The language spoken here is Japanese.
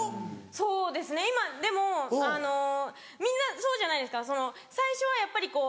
そうですねでもみんなそうじゃないですか最初はやっぱり。